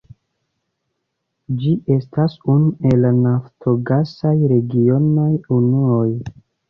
Ĝi estas unu el la naftogasaj regionaj unuoj.